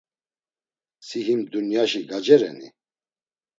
Si him dunyaşi gacereni?